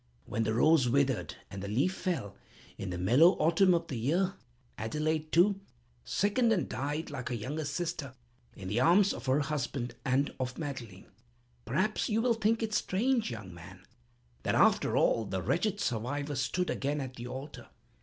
When the rose withered and the leaf fell, in the mellow autumn of the year, Adelaide, too, sickened and died, like her younger sister, in the arms of her husband and of Madeleine. "Perhaps you will think it strange, young man, that, after all, the wretched survivor stood again at the altar.